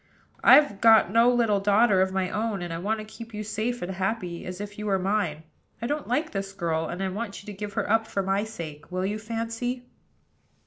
I've got no little daughter of my own, and I want to keep you as safe and happy as if you were mine. I don't like this girl, and I want you to give her up for my sake. Will you, Fancy?"